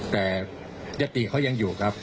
แต่ยติเขายังอยู่ครับ